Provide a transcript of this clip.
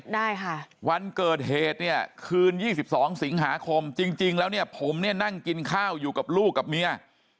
ได้ค่ะวันเกิดเหตุเนี่ยคืน๒๒สิงหาคมจริงแล้วเนี่ยผมเนี่ยนั่งกินข้าวอยู่กับลูกกับเมีย